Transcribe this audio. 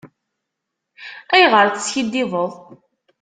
Ayɣer teskiddibeḍ?